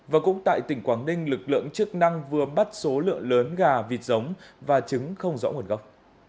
và cũng tại tỉnh quảng ninh lực lượng chức năng vừa bắt số lượng lớn gà vịt giống và trứng không rõ nguồn gốc